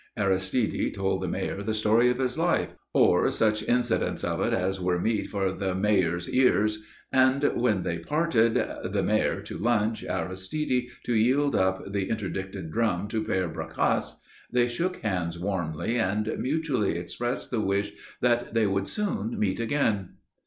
Aristide told the Mayor the story of his life or such incidents of it as were meet for Mayoral ears and when they parted the Mayor to lunch, Aristide to yield up the interdicted drum to Père Bracasse they shook hands warmly and mutually expressed the wish that they would soon meet again.